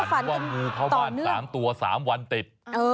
ฝันว่างูเข้าบ้านสามตัวสามวันติด